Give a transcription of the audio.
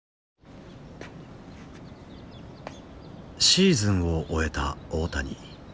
シーズンを終えた大谷。